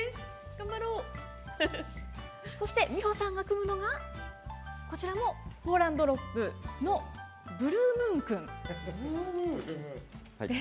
そして美穂さんが組むのがホーランドロップのブルームーン君です。